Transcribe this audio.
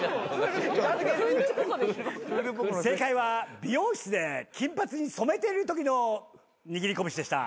正解は美容室で金髪に染めてるときの握り拳でした。